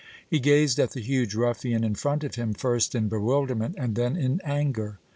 He gazed at the huge ruffian in front of him first in bewilderment and then in anger.